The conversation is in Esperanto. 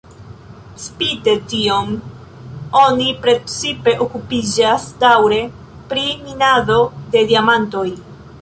Spite tion, oni precipe okupiĝas daŭre pri minado de diamantoj.